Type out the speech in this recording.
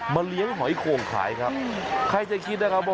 มีหลายขนาดนั้นเนี่ยโอ้โฮ